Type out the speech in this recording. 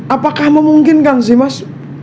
apakah memungkinkan sih mas